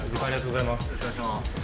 ありがとうございます。